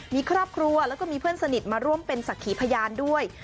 มีครอบครัวแล้วก็มีเพื่อนสนิทมาร่วมเป็นศักดิ์ขีพยานด้วย